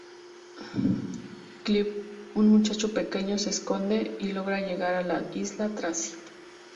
Chip, un muchacho pequeño, se esconde y logra llegar a la Isla Tracy.